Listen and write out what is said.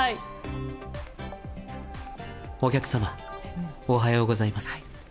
お客様、おはようございます。